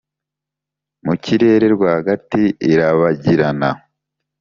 mu kirere rwagati irabagirana,